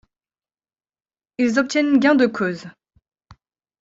Ils obtiennent gain de cause.